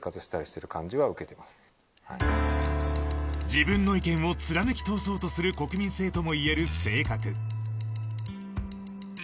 自分の意見を貫き通そうとする国民性ともいえる性格。